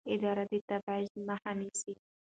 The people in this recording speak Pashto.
اداره د تبعیض مخه نیسي.